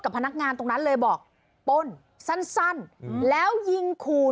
พนักงานตรงนั้นเลยบอกป้นสั้นแล้วยิงขู่